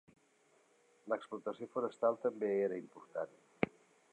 L'explotació forestal també era important.